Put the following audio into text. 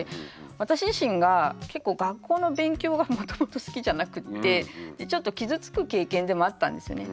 私自身が結構学校の勉強がもともと好きじゃなくって。でちょっと傷つく経験でもあったんですよね。